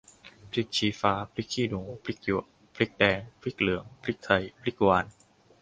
พริกชี้ฟ้า พริกขี้หนู พริกหยวก พริกแดง พริกเหลือง พริกไทย พริกหวาน